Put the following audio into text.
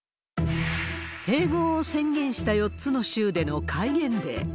併合を宣言した４つの州での戒厳令。